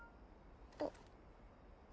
あっ。